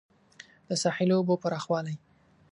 د ساحلي اوبو پراخوالی